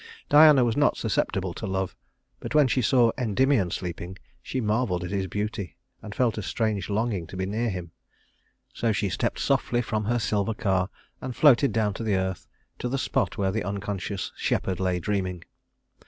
Diana was not susceptible to love; but when she saw Endymion sleeping, she marveled at his beauty, and felt a strange longing to be near him. So she stepped softly from her silver car and floated down to the earth to the spot where the unconscious shepherd lay dreaming.